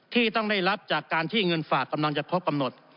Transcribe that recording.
ที่ต้องได้รับจากการที่เงินฝากกำลังจะครบกำหนด